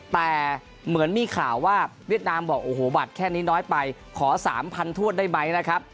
แต่เหมือนมีข่าวว่าเวียดนามบอกโอ้โหบัตรแค่นี้น้อยไปขอ๓๐๐ถวดได้ไหมนะครับ